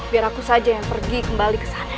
biar aku saja yang pergi kembali ke sana